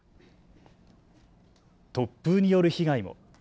突風による被害も。